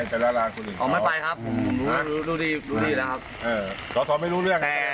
อ๋อไม่เป็นไรครับผมรู้ดีแล้วครับ